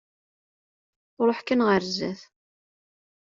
Ruḥ kan ɣer zzat.